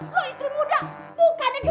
lo istri muda mukanya gimana